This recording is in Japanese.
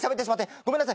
ごめんなさい。